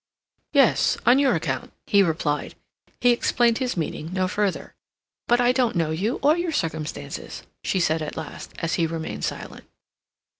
"Yes, on your account," he replied. He explained his meaning no further. "But I don't know you or your circumstances," she said at last, as he remained silent.